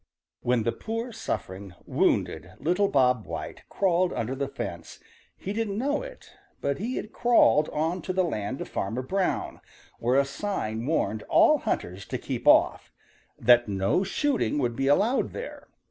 = |WHEN the poor suffering, wounded little Bob White crawled under the fence he didn't know it, but he had crawled on to the land of Farmer Brown, where a sign warned all hunters to keep off that no shooting would be allowed there.